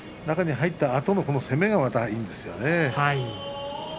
中に入ったあとの攻めがまたいいんですよね。